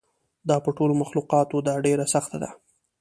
دا په ټولو مخلوقاتو ده ډېره سخته ده.